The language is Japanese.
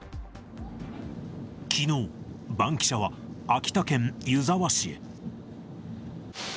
きのう、バンキシャは秋田県湯沢市へ。